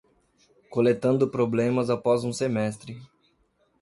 Coletando problemas após um semestre